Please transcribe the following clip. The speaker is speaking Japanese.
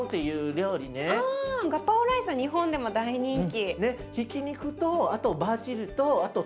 ガパオライスは日本でも大人気。